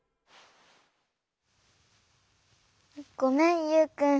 ごめんユウくん。